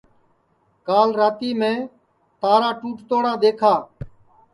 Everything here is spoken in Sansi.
کال راتی میں تارا ٹُوٹ توڑا دؔیکھا